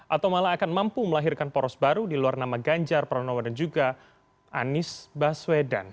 atau malah akan mampu melahirkan poros baru di luar nama ganjar pranowo dan juga anies baswedan